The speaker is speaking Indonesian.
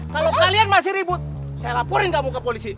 kalau kalian masih ribut saya laporin kamu ke polisi